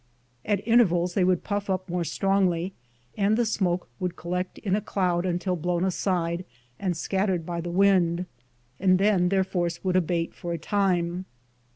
At intervals they would puff up more strongly, and the smoke would collect in a cloud until blown aside and scattered by the wind, and then their force would abate for a time.